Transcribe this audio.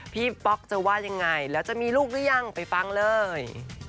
ป๊อกจะว่ายังไงแล้วจะมีลูกหรือยังไปฟังเลย